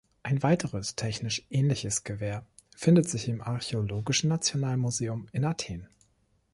Ein weiteres, technisch ähnliches Gewehr findet sich im Archäologischen Nationalmuseum in Athen.